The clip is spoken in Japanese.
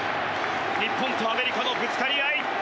日本とアメリカのぶつかり合い。